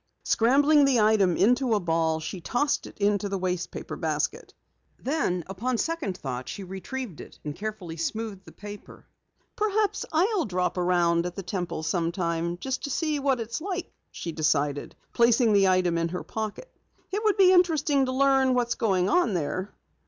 Scrambling the item into a ball, she tossed it into the waste paper basket. Then upon second thought she retrieved it and carefully smoothed the paper. "Perhaps, I'll drop around at the Temple sometime just to see what it is like," she decided, placing the item in her pocket. "It would be interesting to learn what is going on there."